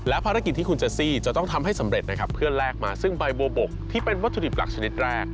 ภารกิจที่คุณเจซี่จะต้องทำให้สำเร็จนะครับเพื่อแลกมาซึ่งใบบัวบกที่เป็นวัตถุดิบหลักชนิดแรก